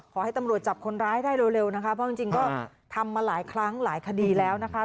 ขอให้ตำรวจจับคนร้ายได้เร็วนะคะเพราะจริงก็ทำมาหลายครั้งหลายคดีแล้วนะคะ